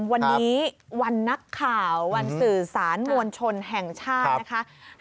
วันนี้วันนักข่าววันสื่อสารมวลชนแห่งชาตินะคะ